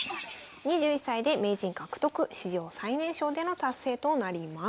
２１歳で名人獲得史上最年少での達成となります。